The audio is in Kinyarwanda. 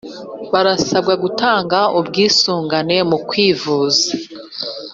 barasabwa gutannga ubwisungane mu kwivuza